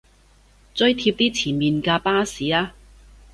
追貼啲前面架巴士吖